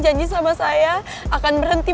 janji sama saya akan berhenti